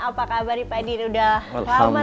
halo pak din apa kabar nih pak din udah selamat tak berjumpa